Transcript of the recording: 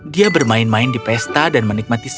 dia bermain main di pesta dan menikmati sejarah